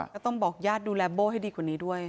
ก็ต้องบอกญาติดูแลโบ้ให้ดีกว่านี้ด้วย